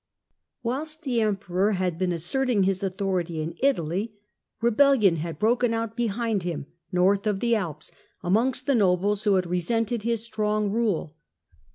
Whilst the emperor had been asserting his authority in Italy, rebellion had broken out behind him, north Rebeuion in ^^^^ Alps, amongst the nobles, who had Germany resented his strong rule.